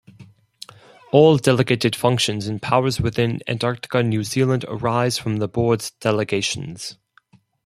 All delegated functions and powers within Antarctica New Zealand arise from the Board's delegations.